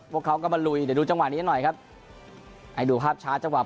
พวกเขาก็มาลุยเดี๋ยวดูจังหวะนี้หน่อยครับให้ดูภาพช้าจังหวะ